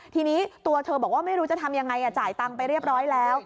ทีนี้ตัวเธอบอกว่าไม่รู้จะทำยังไงจ่ายตังค์ไปเรียบร้อยแล้ว